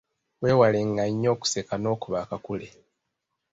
Weewalenga nnyo okuseka n’okuba akakule.